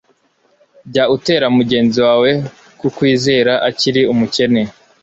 jya utera mugenzi wawe kukwizera akiri umukene